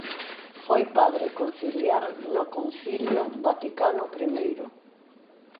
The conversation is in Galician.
Foi padre conciliar no Concilio Vaticano Primeiro.